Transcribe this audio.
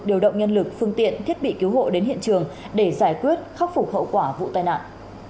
điều động nhân lực phương tiện thiết bị cứu hộ đến hiện trường để giải quyết khắc phục hậu quả vụ tai nạn